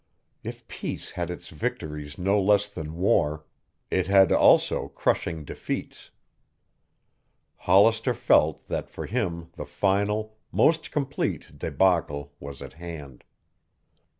If peace had its victories no less than war, it had also crushing defeats. Hollister felt that for him the final, most complete débacle was at hand.